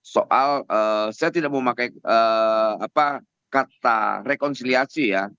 soal saya tidak memakai kata rekonsiliasi ya